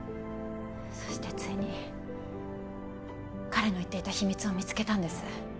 そしてついに彼の言っていた秘密を見つけたんです